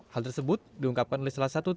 hal tersebut diungkapkan oleh salah satu tim kuasa